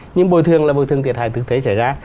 nhưng bồi thường là bồi thương thiệt hại thực tế xảy ra